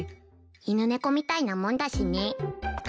犬猫みたいなもんだしね。